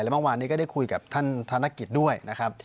เมื่อวานนี้ก็ได้คุยกับท่านธนกิจด้วยนะครับ